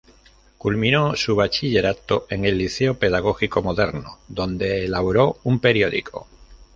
Culminó su bachillerato en el Liceo Pedagógico Moderno, donde elaboró un periódico.